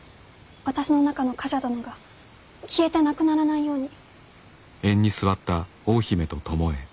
私の中の冠者殿が消えてなくならないように。